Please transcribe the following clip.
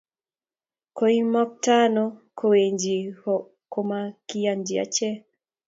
Koimuktaano kuwejikei komakiyanji achek